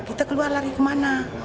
kita keluar lari ke mana